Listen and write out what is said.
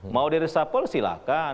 mau di resapel silahkan